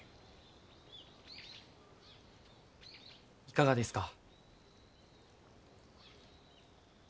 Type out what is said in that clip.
いかがですか？